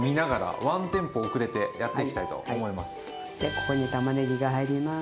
ここにたまねぎが入ります。